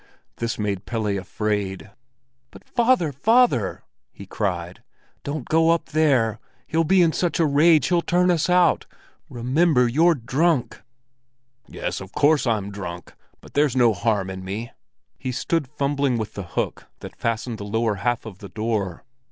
This made Pelle afraid. "But father, father!" he cried. "Don't go up there! He'll be in such a rage, he'll turn us out! Remember you're drunk!" "Yes, of course I'm drunk, but there's no harm in me." He stood fumbling with the hook that fastened the lower half of the door.